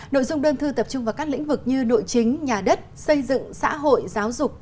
nội dung đơn thư tập trung vào các lĩnh vực như nội chính nhà đất xây dựng xã hội giáo dục